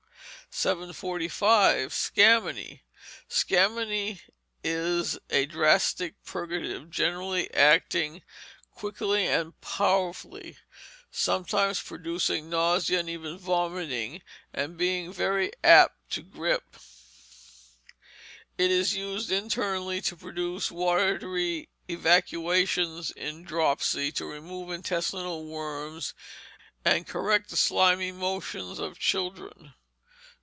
745. Scammony Scammony is a drastic purgative, generally acting quickly and powerfully; sometimes producing nausea, and even vomiting, and being very apt to gripe. It is used internally, to produce watery evacuations in dropsy, to remove intestinal worms, and correct the slimy motions of children.